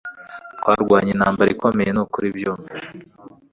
Twarwanye intambara ikomeye nukuri rwose byumve